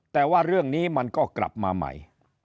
แต่ว่าเรื่องนี้มันก็กลับมาใหม่